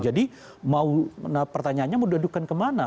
jadi pertanyaannya mau diadukan ke mana